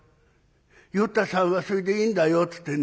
与太さんはそれでいいんだよ』つってね